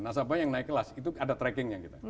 nah sahabat yang naik kelas itu ada trackingnya